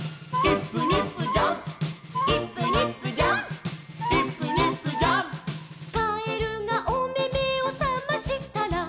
「イップニップジャンプイップニップジャンプ」「かえるがおめめをさましたら」